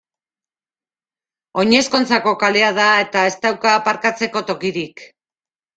Oinezkoentzako kalea da eta ez dauka aparkatzeko tokirik.